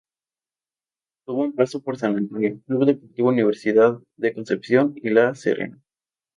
Tuvo un paso por San Antonio, Club Deportivo Universidad de Concepción y La Serena.